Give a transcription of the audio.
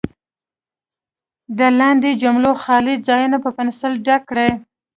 د لاندې جملو خالي ځایونه په پنسل ډک کړئ.